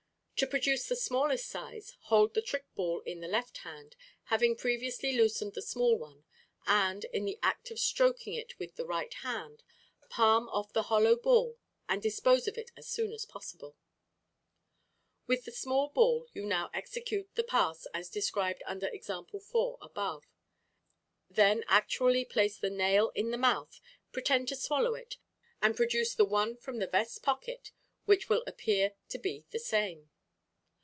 To produce the smallest size, hold the trick ball in the left hand, having previously loosened the small one, and, in the act of stroking it with the right hand, palm off the hollow ball and dispose of it as soon as possible. With the small ball you now execute the pass as described under Example 4 above. Then actually place the nail in the mouth, pretend to swallow it, and produce the one from the vest pocket, which will appear to be the same.